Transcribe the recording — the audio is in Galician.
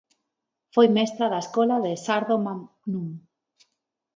Foi mestra da escola de Sárdoma núm.